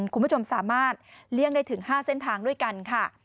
คุณผู้ชมสามารถเลี่ยงได้ถึง๕เส้นทางด้วยกันค่ะ